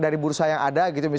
dari bursa yang ada gitu